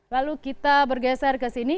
lalu kita bergeser ke sini